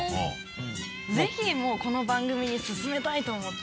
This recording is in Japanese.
ぜひもうこの番組にすすめたいと思って。